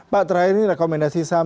pak terakhir ini rekomendasi saham